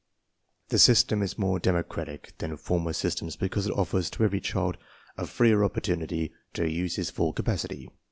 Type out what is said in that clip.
/ The system is more democratic than former systems ' because it offers to every child a freer opportunity to use his full capacity.